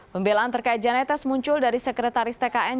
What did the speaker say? pembelaan terkait jan etes muncul dari sekretaris tkn